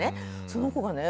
その子がね